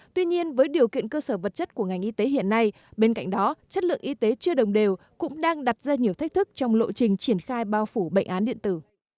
tuy nhiên với điều kiện cơ sở vật chất của ngành y tế hiện nay bên cạnh đó chất lượng y tế chưa đồng đều cũng đang đặt ra nhiều thách thức trong lộ trình triển khai bao phủ bệnh án điện tử